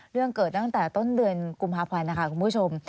เรื่องเกิดตั้งแต่ต้นเดือนกุมภาพันธ์นะคะคุณผู้ชม